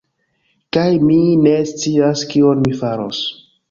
Kaj mi ne scias, kion mi faros